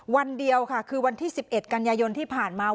วันเดียวค่ะคือวันที่๑๑กันยายนที่ผ่านมา